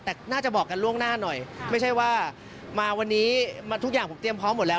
แต่น่าจะบอกกันล่วงหน้าหน่อยไม่ใช่ว่ามาวันนี้ทุกอย่างผมเตรียมพร้อมหมดแล้ว